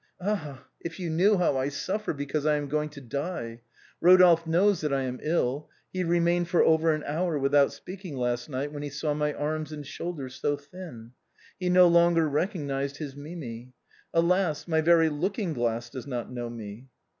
Ah ! if you knew how I suffer because I am going to die. Eodolphe knows that I am ill, he remained for over an hour without speaking last night when he saw my arms and shoulders so thin. He no longer recognized his Mimi. Alas ! my very look ing glass does not know me.